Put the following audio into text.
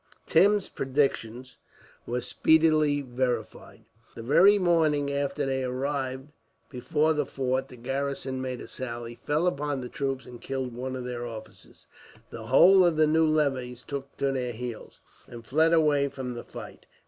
Tim's predictions were speedily verified. The very morning after they arrived before the fort, the garrison made a sally, fell upon the troops, and killed one of their officers. The whole of the new levies took to their heels, and fled away from the fight.